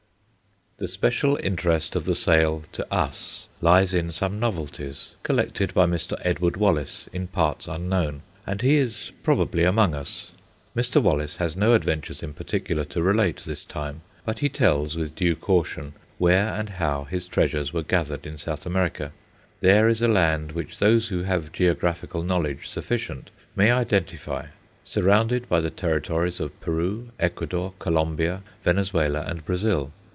The special interest of the sale to us lies in some novelties collected by Mr. Edward Wallace in parts unknown, and he is probably among us. Mr. Wallace has no adventures in particular to relate this time, but he tells, with due caution, where and how his treasures were gathered in South America. There is a land which those who have geographical knowledge sufficient may identify, surrounded by the territories of Peru, Ecuador, Colombia, Venezuela, and Brazil.